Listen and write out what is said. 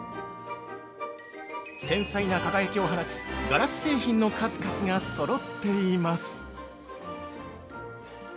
繊細な輝きを放つガラス製品の数々がそろっています。